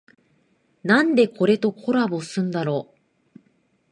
なんでこれとコラボすんだろ